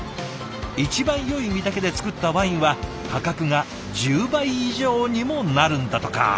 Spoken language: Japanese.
一番よい実だけで造ったワインは価格が１０倍以上にもなるんだとか。